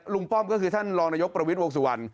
ป้อมก็คือท่านรองนายกประวิทย์วงสุวรรณ